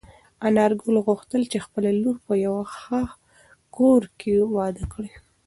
انارګل غوښتل چې خپله لور په یوه ښه کور کې واده کړي.